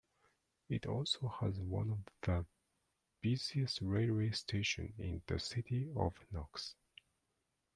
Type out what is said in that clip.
It also has one of the busiest railway stations in the City of Knox.